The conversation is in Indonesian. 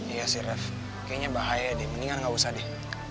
iya sih ref kayaknya bahaya deh mendingan gak usah deh